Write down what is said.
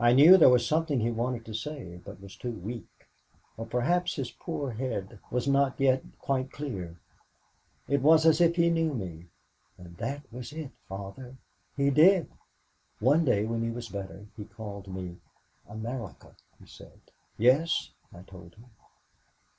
I knew there was something he wanted to say but was too weak, or perhaps his poor head was not yet quite clear. It was as if he knew me. And that was it, Father. He did. "One day when he was better he called me. 'America?' he said. "'Yes,' I told him.